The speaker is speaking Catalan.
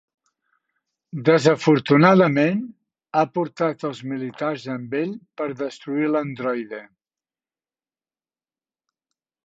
Desafortunadament, ha portat els militars amb ell per destruir l'androide.